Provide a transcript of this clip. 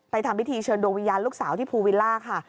ทำพิธีเชิญดวงวิญญาณลูกสาวที่ภูวิลล่าค่ะ